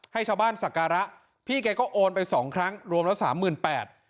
ให้ชาวบ้านสักการะพี่แกก็โอนไปสองครั้งรวมแล้วสามหมื่นแปด